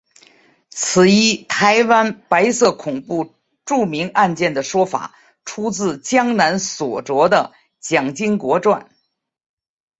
此一台湾白色恐怖著名案件的说法出自江南所着的蒋经国传。